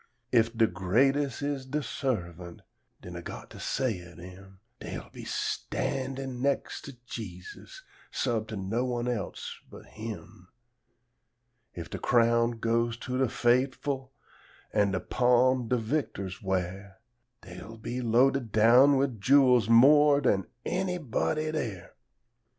If de greates' is de servant, den Ah got to say o' dem, Dey'll be standin' nex' to Jesus, sub to no one else but Him; If de crown goes to de fait'ful, an' de palm de victors wear, Dey'll be loaded down wid jewels more dan anybody dere.